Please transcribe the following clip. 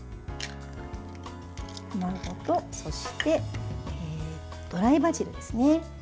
卵と、ドライバジルですね。